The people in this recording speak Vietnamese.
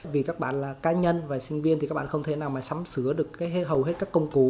vì các bạn là cá nhân và sinh viên thì các bạn không thể nào mà sắm sửa được hầu hết các công cụ